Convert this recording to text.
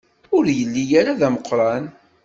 Ur yelli ara d ameqṛan.